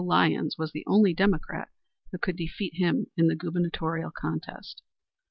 Lyons was the only Democrat who could defeat him in the gubernatorial contest.